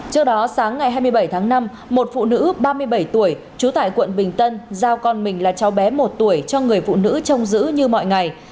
trước đó sáng ngày hai mươi bảy tháng năm một phụ nữ ba mươi bảy tuổi trú tại quận bình tân giao con mình là cháu bé một tuổi cho người phụ nữ trông giữ như mọi ngày